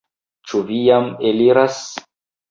Ĉu vi jam eliras?